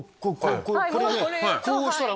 こうしたら。